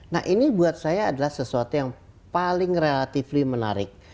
nah ini buat saya adalah sesuatu yang paling relatively menarik